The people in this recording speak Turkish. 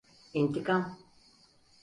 İntikam…